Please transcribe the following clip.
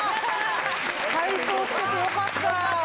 体操しててよかった！